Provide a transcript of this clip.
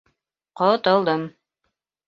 Ҡотолдом!